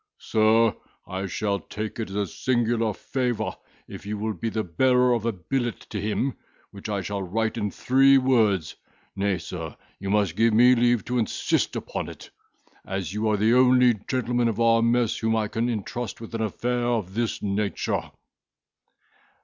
Sir, I shall take it as a singular favour if you will be the bearer of a billet to him, which I shall write in three words; nay, sir, you must give me leave to insist upon it, as you are the only gentleman of our mess whom I can intrust with an affair of this nature."